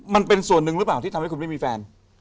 มันเป็นส่วนหนึ่งหรือเปล่าที่ทำให้คุณไม่มีแฟน